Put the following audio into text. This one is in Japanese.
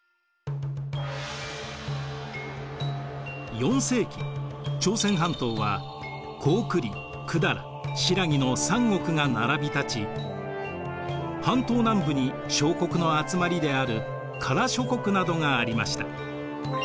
４世紀朝鮮半島は高句麗百済新羅の三国が並びたち半島南部に小国の集まりである加羅諸国などがありました。